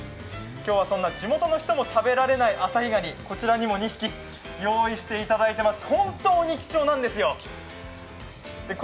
今日はそんな地元の人も食べられないアサヒガニ、こちらにも２匹、用意していただいています。